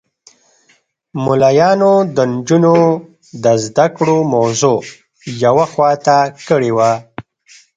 ملایانو د نجونو د زده کړو موضوع یوه خوا ته کړې وه.